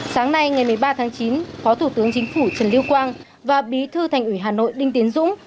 sáng nay ngày một mươi ba tháng chín phó thủ tướng chính phủ trần lưu quang và bí thư thành ủy hà nội đinh tiến dũng